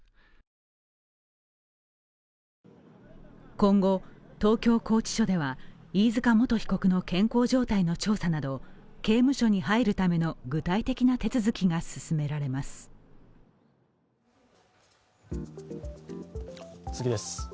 今後、東京拘置所では飯塚元被告の健康状態の調査など刑務所に入るための具体的な手続きが進められます。